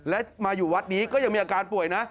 และมาอยู่วัดนี้ก็ยังมีอาการป่วยนะ